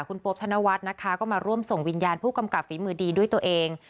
คุณโป๊บธนวัฒน์นะคะก็มาร่วมส่งวิญญาณผู้กำกับฝีมือดีด้วยตัวเอง